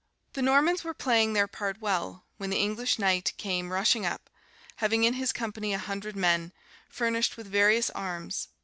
"The Normans were playing their part well, when an English knight came rushing up, having in his company a hundred men, furnished with various arms.